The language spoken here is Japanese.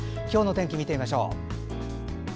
今日の天気を見てみましょう。